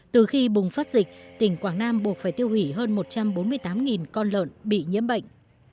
từ khi bùng phát dịch tỉnh quảng nam buộc phải tiêu hủy hơn một trăm bốn mươi tám con lợn bị nhiễm bệnh